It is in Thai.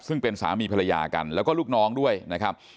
ซึ่งเป็นสามีภรรยากันแล้วก็ลูกน้องด้วยนะครับ